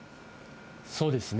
そうですね。